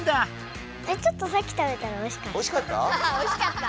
ちょっとさっき食べたらおいしかった。